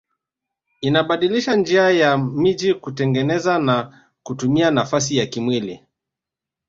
Inabadilisha njia ya miji kutengeneza na kutumia nafasi ya kimwili